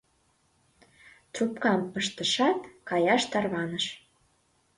Трубкам пыштышат, каяш тарваныш.